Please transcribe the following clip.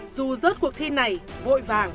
dù rớt cuộc thi này vội vàng